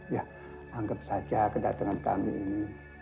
ya anggap saja kedatangan kami ini